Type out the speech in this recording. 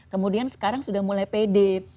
kemudian sekarang sudah mulai pede